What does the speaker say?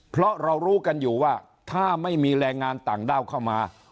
เพราะเรารู้กันอยู่ว่าถ้าไม่มีแรงงานต่างด้าวเข้ามา